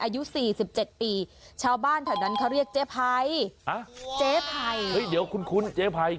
อายุ๔๗ปีชาวบ้านแถวนั้นเขาเรียกเจ๊ไพบเจ๊ไผ่เฮ้ยเดี๋ยวคุ้นเจ๊ภัย